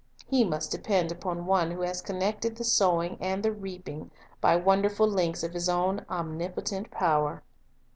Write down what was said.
He must depend upon One who has connected the sowing and the reaping by wonderful links of His own omnipotent power.